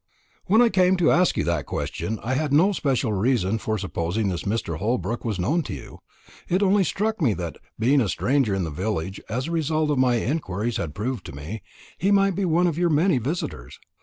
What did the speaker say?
"When I came to ask you that question, I had no special reason for supposing this Mr. Holbrook was known to you. It only struck me that, being a stranger in the village, as the result of my inquiries had proved to me, he might be one of your many visitors.